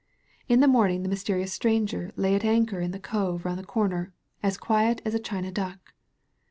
In the morning the mysterious stranger lay at anchor in the cove round the comer, as quiet as a China duck.